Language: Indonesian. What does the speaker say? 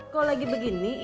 kalau lagi begini